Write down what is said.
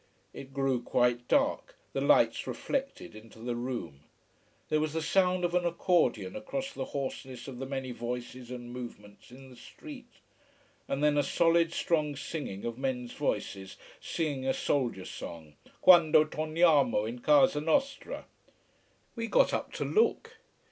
It grew quite dark, the lights reflected into the room. There was the sound of an accordion across the hoarseness of the many voices and movements in the street: and then a solid, strong singing of men's voices, singing a soldier song. "Quando torniamo in casa nostra " We got up to look.